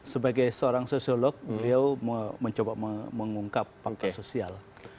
sebagai seorang sosiolog beliau mencoba mengungkap fakta sosial